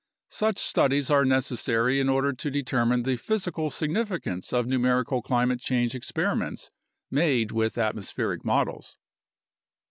Such studies are neces sary in order to determine the physical significance of numerical climate change experiments made with atmospheric models.